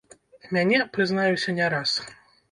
Мяне, прызнаюся, не раз.